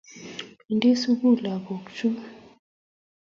Pendi sukul lagok chun